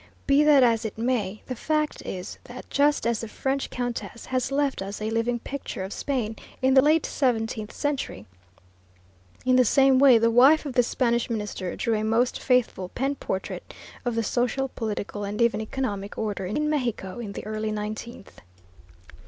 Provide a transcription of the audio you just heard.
Be that as it may, the fact is that just as the French Countess has left us a living picture of Spain in the late seventeenth century, in the same way the wife of the Spanish Minister drew a most faithful pen portrait of the social, political, and even economic order, in Mexico in the early nineteenth.